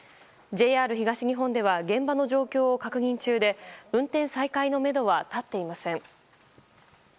ＪＲ東日本では現場の状況を確認中で運転再開のめどは立っていません。